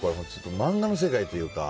漫画の世界というか。